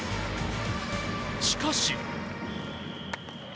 しかし。